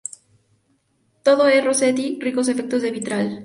Todo es Rossetti— ricos efectos de vitral.